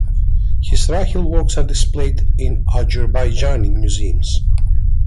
His rahil works are displayed in Azerbaijani museums.